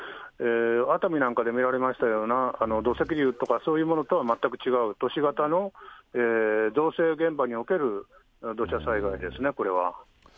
熱海なんかで見られましたような、土石流とか、そういうものとは全く違う、都市型の造成現場における土砂災害ですね、これは。